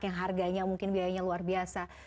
yang harganya mungkin biayanya luar biasa